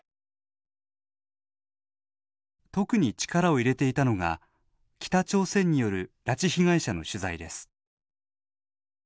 特に力を入れていたのが北朝鮮による拉致被害者の取材です。